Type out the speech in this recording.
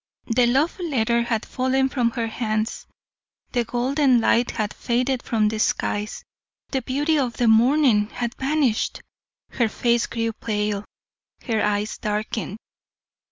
The love letter had fallen from her hands, the golden light had faded from the skies, the beauty of the morning had vanished; her face grew pale, her eyes darkened.